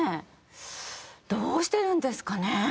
どうしてるんですかね？